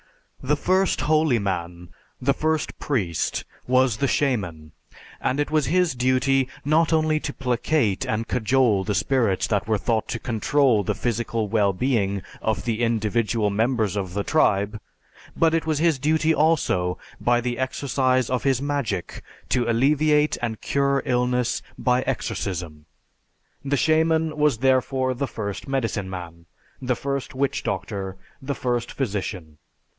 The first holy man, the first priest, was the "shaman," and it was his duty not only to placate and cajole the spirits that were thought to control the physical well being of the individual members of the tribe; but it was his duty also, by the exercise of his magic, to alleviate and cure illness by exorcism. The "shaman" was therefore the first medicine man, the first witch doctor, the first physician.